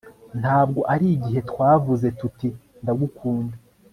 Ntabwo ari igihe twavuze tuti Ndagukunda